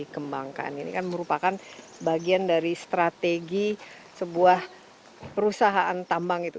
dikembangkan ini kan merupakan bagian dari strategi sebuah perusahaan tambang itu